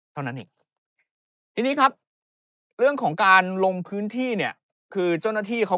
เท่านั้นอีกเรื่องของการลงพื้นที่เนี่ยคือเจ้านาที่เขา